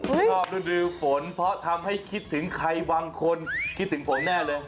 ชอบฤดูฝนเพราะทำให้คิดถึงใครบางคนคิดถึงผมแน่เลย